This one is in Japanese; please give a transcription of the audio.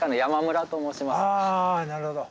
あなるほど。